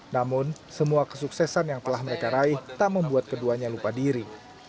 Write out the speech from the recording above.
namun semua kesuksesan yang telah mereka raih tak membuat keduanya lupa diri